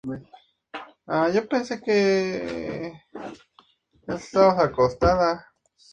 Fue el primer equipo de ciclismo profesional de Canarias.